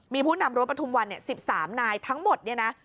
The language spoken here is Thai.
มีผู้นำรั้วปฐมวัน๑๓นายทั้งหมดนี่นะ